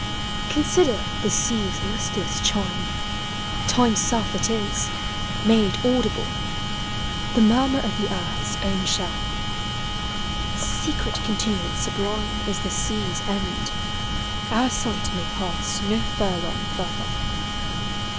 Consider the sea's listless chime: Time's self it is, made audible — The murmur of the earth's own shell. Sec ret continuance sublime Is the sea's end : our sight may pass No furlong further.